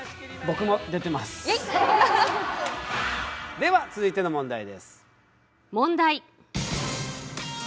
では続いての問題です。